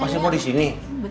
masih mau disini